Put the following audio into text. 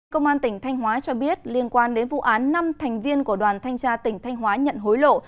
công an tỉnh thanh hóa cho biết liên quan đến vụ án năm thành viên của đoàn thanh tra tỉnh thanh hóa nhận hối lộ